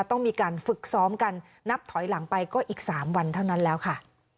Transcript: ต้องมีการฝึกซ้อมกันนับถอยหลังไปก็อีก๓วันเท่านั้นแล้วค่ะ